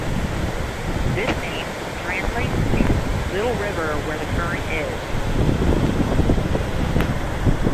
This name translates to the little "river where the current is".